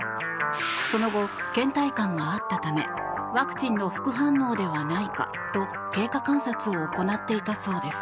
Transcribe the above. その後、倦怠感があったためワクチンの副反応ではないかと経過観察を行っていたそうです。